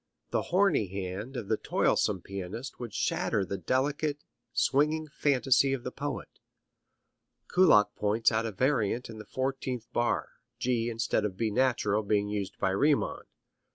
The horny hand of the toilsome pianist would shatter the delicate, swinging fantasy of the poet. Kullak points out a variant in the fourteenth bar, G instead of B natural being used by Riemann.